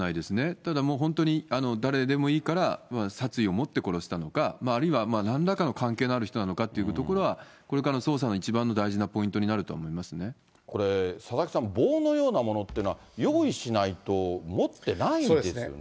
ただもう本当に、誰でもいいから殺意を持って殺したのか、あるいはなんらかの関係のある人なのかというところは、これからの捜査の一番の大事なポこれ、佐々木さん、棒なようなものっていうのは、用意しないと持ってないんですよね。